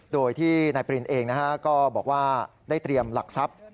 โดยที่นายปรินเองก็บอกว่าได้เตรียมหลักทรัพย์